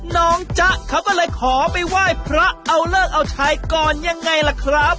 น้องจ๊ะเขาก็เลยขอไปไหว้พระเอาเลิกเอาชัยก่อนยังไงล่ะครับ